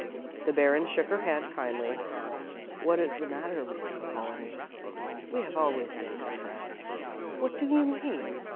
The Baron shook her hand kindly. "What is the matter, Mrs. Apollonie? We have always been good friends. What do you mean?"